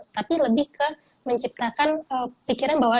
tapi lebih ke menciptakan pikiran bahwa